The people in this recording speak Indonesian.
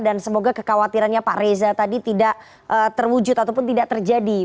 dan semoga kekhawatirannya pak reza tadi tidak terwujud ataupun tidak terjadi